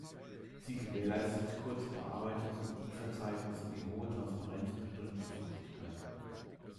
Sie gewährleistet kurze Bearbeitungs- und Lieferzeiten sowie hohe Transparenz und Benutzerfreundlichkeit.